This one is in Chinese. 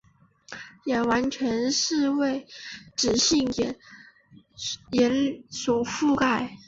眼完全为脂性眼睑所覆盖。